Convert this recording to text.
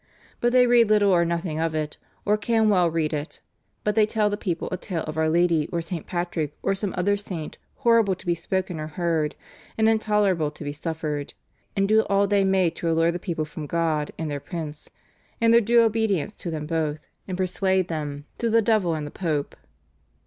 But they read little or nothing of it, or can well read it, but they tell the people a tale of Our Lady or St. Patrick, or some other saint, horrible to be spoken or heard, and intolerable to be suffered, and do all they may to allure the people from God and their prince, and their due obedience to them both, and persuade them to the devil and the Pope."